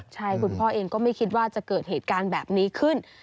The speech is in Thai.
ใช่คุณพ่อเองก็ไม่คิดว่าจะเกิดเหตุการณ์แบบนี้ขึ้น